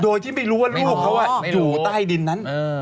โดยที่ไม่รู้ว่าลูกเขาอยู่ใต้ดินนั้น